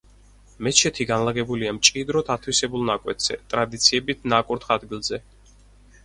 მეჩეთი განლაგებულია მჭიდროდ ათვისებულ ნაკვეთზე, ტრადიციებით ნაკურთხ ადგილზე.